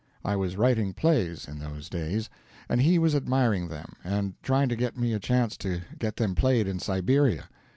I was writing plays, in those days, and he was admiring them and trying to get me a chance to get them played in Siberia.